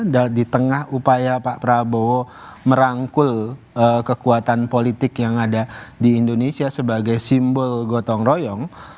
di tengah upaya pak prabowo merangkul kekuatan politik yang ada di indonesia sebagai simbol gotong royong